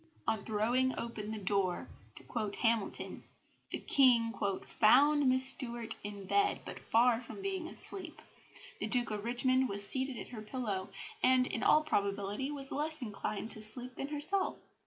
On throwing open the door, to quote Hamilton, the King "found Miss Stuart in bed, but far from being asleep. The Duke of Richmond was seated at her pillow, and in all probability was less inclined to sleep than herself.